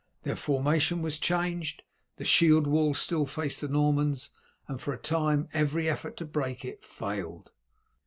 Their formation was changed, the shield wall still faced the Normans, and for a time every effort to break it failed.